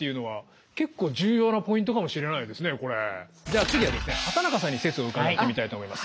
確かにじゃあ次はですね畑中さんに説を伺ってみたいと思います。